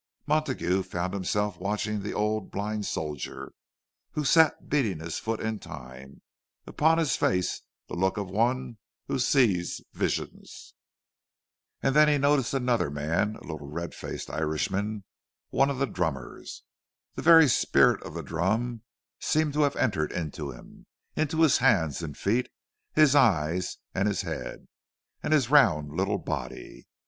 Montague found himself watching the old blind soldier, who sat beating his foot in time, upon his face the look of one who sees visions. And then he noticed another man, a little, red faced Irishman, one of the drummers. The very spirit of the drum seemed to have entered into him—into his hands and his feet, his eyes and his head, and his round little body.